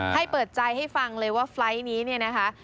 ให้เปิดใจให้ฟังเลยว่าไฟล์ทนี้เนี่ยนะคะ